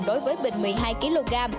đối với bình một mươi hai kg